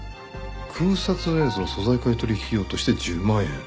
空撮映像素材買取費用として１０万円。